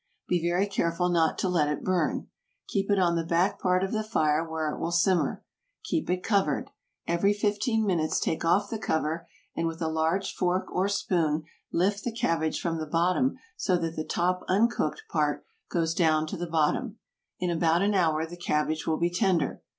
Be very careful not to let it burn. Keep it on the back part of the fire where it will simmer. Keep it covered. Every fifteen minutes take off the cover, and with a large fork or spoon lift the cabbage from the bottom so that the top uncooked part goes down to the bottom. In about an hour the cabbage will be tender.